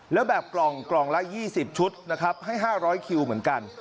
แล้วแบบกล่องละ๒๐ชุดนะครับให้๕๐๐คิวเหมือนกัน